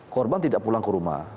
korban tidak pulang ke rumah